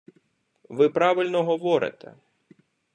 Ви правильно говорите.